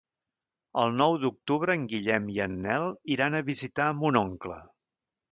El nou d'octubre en Guillem i en Nel iran a visitar mon oncle.